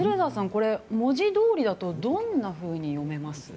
これ、文字どおりだとどんなふうに読めます？